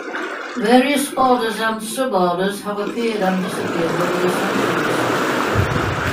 Various orders and suborders have appeared and disappeared over the centuries.